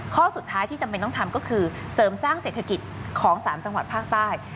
ข้อสุดท้ายที่จำเป็นต้องทำก็คือเสริมสร้างเศรษฐกิจของ๓จังหวัดภาคใต้